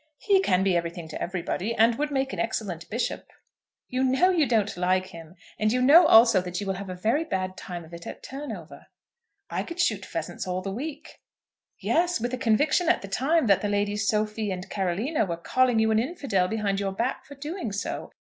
He can be everything to everybody, and would make an excellent bishop." "You know you don't like him, and you know also that you will have a very bad time of it at Turnover." "I could shoot pheasants all the week." "Yes, with a conviction at the time that the Ladies Sophie and Carolina were calling you an infidel behind your back for doing so.